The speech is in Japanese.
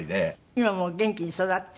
今もう元気に育って？